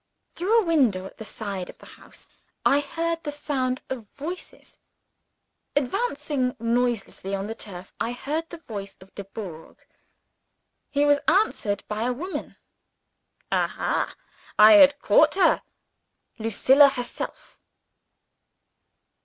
Through a window at the side of the house, I heard the sound of voices. Advancing noiselessly on the turf, I heard the voice of Dubourg. He was answered by a woman. Aha, I had caught her. Lucilla herself!